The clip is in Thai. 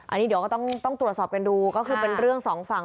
อันนี้เดี๋ยวก็ต้องตรวจสอบกันดูก็คือเป็นเรื่องสองฝั่ง